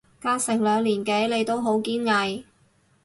隔成兩年幾你都好堅毅